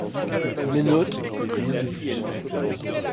Mes notes, rien de plus.